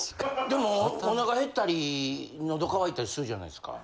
でもお腹減ったり喉乾いたりするじゃないですか。